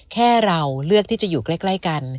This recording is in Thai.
แค่เราเลือกที่จะอยู่ใกล้กัน